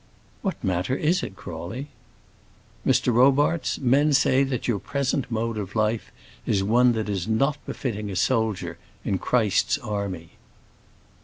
"What matter is it, Crawley?" "Mr. Robarts, men say that your present mode of life is one that is not befitting a soldier in Christ's army."